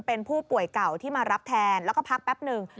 เป็นผู้ป่วยเก่าที่มารับแทนแล้วก็พักแป๊บหนึ่ง